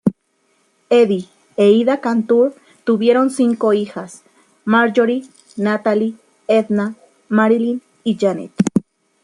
Eddie e Ida Cantor tuvieron cinco hijas: Marjorie, Natalie, Edna, Marilyn y Janet.